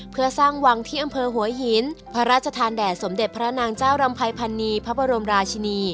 เพื่อสร้างวังที่อำเภอหัวหินพระราชทานแด่สมเด็จพระนางเจ้ารำภัยพันนีพระบรมราชินี